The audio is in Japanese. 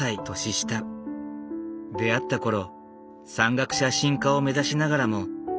出会った頃山岳写真家を目指しながらも実現できずにいた。